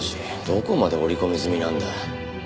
どこまで織り込み済みなんだ？